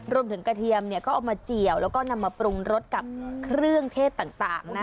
รวมถึงกระเทียมเนี่ยก็เอามาเจียวแล้วก็นำมาปรุงรสกับเครื่องเทศต่างนะ